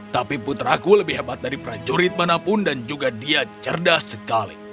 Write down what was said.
tapi putraku lebih hebat dari prajurit manapun dan juga dia cerdas sekali